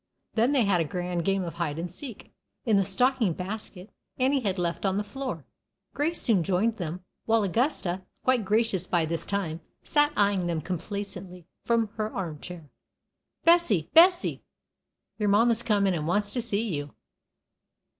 Then they had a grand game of hide and seek in the stocking basket Annie had left on the floor. Grace soon joined them, while Augusta, quite gracious by this time, sat eying them complacently from her arm chair. "Bessie! Bessie! your mamma's come in, and wants to see you."